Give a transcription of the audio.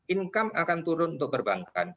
income akan turun untuk perbankan